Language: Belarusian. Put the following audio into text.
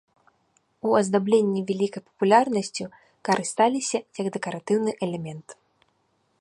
У аздабленні вялікай папулярнасцю карысталіся як дэкаратыўны элемент.